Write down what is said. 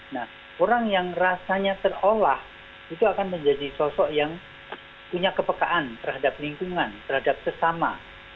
nah orang yang rasanya terolah itu akan menjadi sosok yang punya kepekaan terhadap lingkungan terhadap sesama